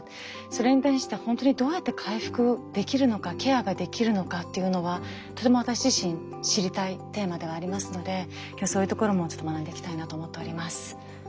それに対して本当にどうやって回復できるのかケアができるのかっていうのはとても私自身知りたいテーマではありますので今日そういうところも学んでいきたいなと思っております。